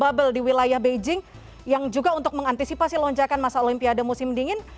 bubble di wilayah beijing yang juga untuk mengantisipasi lonjakan masa olimpiade musim dingin